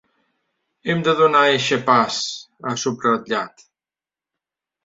“Hem de donar eixe pas”, ha subratllat.